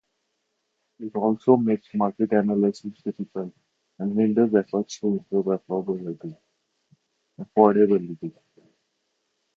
It also makes market analysis difficult and hinders efforts to improve affordability.